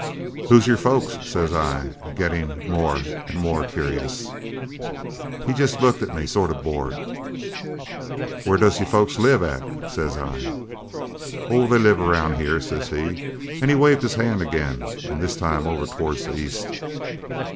"'Who's your folks?' says I, gettin' more an' more curious. "He jest looked at me sort of bored. "'Where does your folks live at?' says I. "'Oh, they live around here,' says he, an' he waved his hand again, an' this time over towards the east.